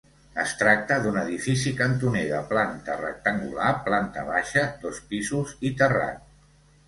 Es tracta d'un edifici cantoner de planta rectangular, planta baixa, dos pisos i terrat.